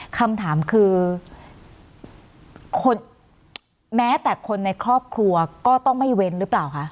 คำถามคือคนแม้แต่คนในครอบครัวก็ต้องไม่เว้นหรือเปล่าคะ